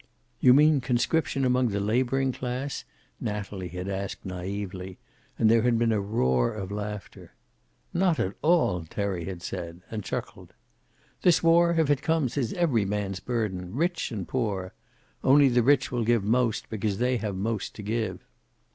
"You mean, conscription among the laboring class?" Natalie had asked naively, and there had been a roar of laughter. "Not at all," Terry had said. And chuckled. "This war, if it comes, is every man's burden, rich and poor. Only the rich will give most, because they have most to give."